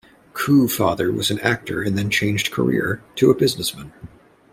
Koo' father was an actor and then changed career to a businessman.